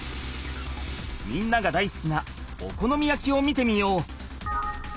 みんながだいすきなお好み焼きを見てみよう！